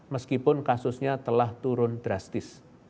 meskipun kasusnya telah turun drastis